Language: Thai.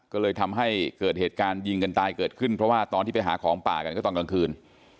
ก็เลยทำให้เกิดเหตุการณ์ยิงกันตายเกิดขึ้นเพราะว่าตอนที่ไปหาของป่ากันก็ตอนกลางคืน